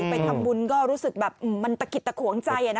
ไปทำบุญก็รู้สึกแบบมันตะกิดตะขวงใจ